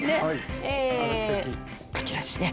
こちらですね。